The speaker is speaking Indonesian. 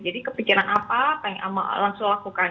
jadi kepikiran apa langsung lakukan